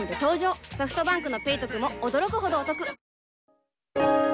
ソフトバンクの「ペイトク」も驚くほどおトク